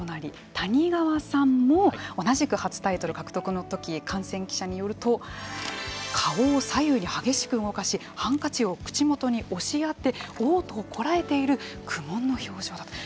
谷川さんも同じく初タイトル獲得のとき観戦記者によると顔を左右に激しく動かしハンカチを口元に押し当ておう吐をこらえている苦悶の表情だったと。